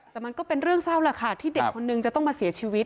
แต่มันก็เป็นเรื่องเศร้าล่ะค่ะที่เด็กคนนึงจะต้องมาเสียชีวิต